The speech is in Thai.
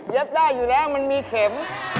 เย็บได้อยู่แหล้งมันมีเข็ม